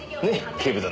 警部殿。